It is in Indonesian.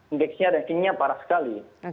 indeksnya dan kini nya parah sekali